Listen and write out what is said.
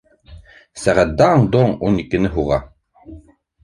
Сәғәт даң-доң ун икене һуға.